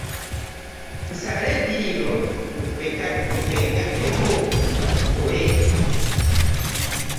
Musale eddiiro mutwegatteko tukole.